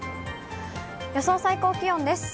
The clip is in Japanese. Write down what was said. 予想最高気温です。